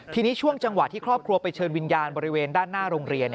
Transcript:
ทีนี้ช่วงจังหวะที่ครอบครัวไปเชิญวิญญาณบริเวณด้านหน้าโรงเรียน